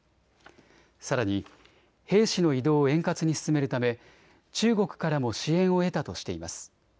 さらに兵士の移動を円滑に進めるため中国からも支援を得たとしています。